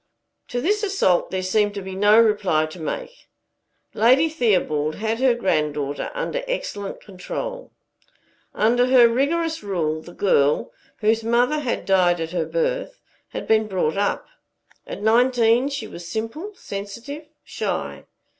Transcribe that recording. To this assault there seemed to be no reply to make. Lady Theobald had her granddaughter under excellent control. Under her rigorous rule, the girl whose mother had died at her birth had been brought up. At nineteen she was simple, sensitive, shy.